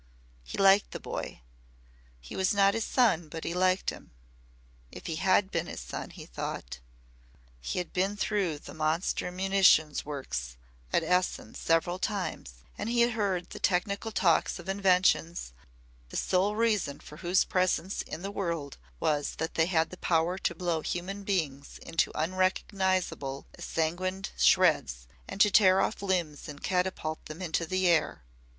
He liked the boy. He was not his son, but he liked him. If he had been his son, he thought ! He had been through the monster munition works at Essen several times and he had heard technical talks of inventions, the sole reason for whose presence in the world was that they had the power to blow human beings into unrecognisable, ensanguined shreds and to tear off limbs and catapult them into the air.